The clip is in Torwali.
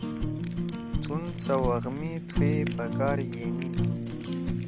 تُھون سوق می تھوئے پکار یے نیِن